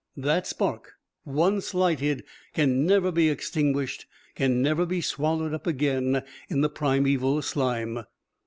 That spark, once lighted, can never be extinguished, can never be swallowed up again in the primeval slime.